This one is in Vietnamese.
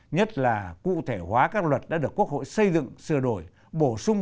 nhất là cụ thể hóa các luật đã được quốc hội xây dựng sửa đổi bổ sung